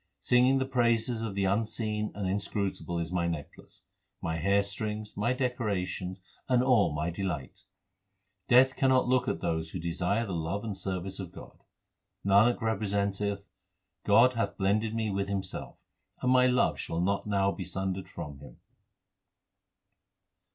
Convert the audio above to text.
Singing the praises of the Unseen and Inscrutable is my necklace, my hair strings, my decorations, and all my delight. Death cannot look at those who desire the love and service of God. Nanak representeth, God hath blended me with Himself, and my love shall not now be sundered from Him.